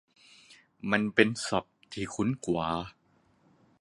มันเป็นศัพท์ที่คุ้นกว่า